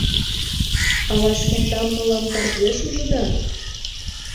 Ала шкендам мылам тарзеш ужыда?